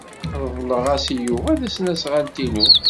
Reḍleɣ-as i Yuba tasnasɣalt-inu.